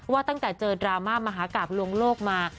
ว่าตั้งแต่เจอดราม่ามหากราบลวงโลกมา